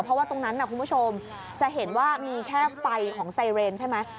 เพราะว่าตรงนั้นคุณผู้ชมจะเห็นว่ามีแค่ไฟของไซเรนใช่ไหม